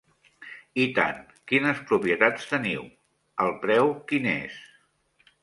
I tant, quines propietats teniu, el preu quin és?